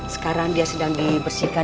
sekarang dia sedang dibersihkan